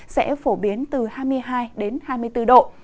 sẽ phổ biến từ hai mươi hai đến hai mươi bốn độ